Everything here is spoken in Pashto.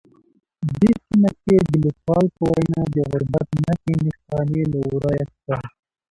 دې سیمه کې د لیکوال په وینا د غربت نښې نښانې له ورایه ښکاري